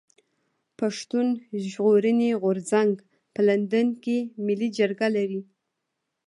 پښتون ژغورني غورځنګ په لندن کي ملي جرګه لري.